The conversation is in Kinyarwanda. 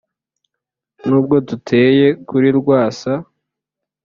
N'ubwo duteye kuri Rwasa